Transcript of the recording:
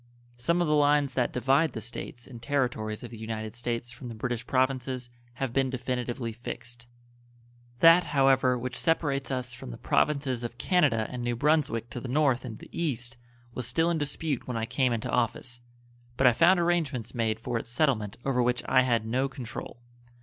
Some of the lines that divide the States and Territories of the United States from the British Provinces have been definitively fixed. That, however, which separates us from the Provinces of Canada and New Brunswick to the North and the East was still in dispute when I came into office, but I found arrangements made for its settlement over which I had no control.